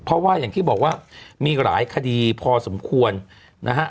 เพราะว่าอย่างที่บอกว่ามีหลายคดีพอสมควรนะฮะ